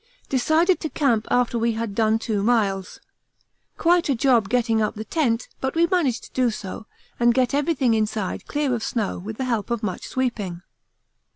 Decided to camp after we had done two miles. Quite a job getting up the tent, but we managed to do so, and get everything inside clear of snow with the help of much sweeping.